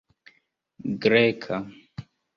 greka